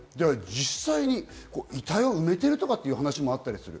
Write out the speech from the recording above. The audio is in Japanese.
実際に遺体を埋めているとかいう話もあったりする。